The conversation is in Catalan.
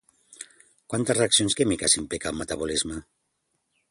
Quantes reaccions químiques implica el metabolisme?